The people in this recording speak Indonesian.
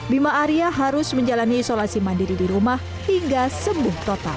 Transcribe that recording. bima arya harus menjalani isolasi mandiri di rumah hingga sembuh total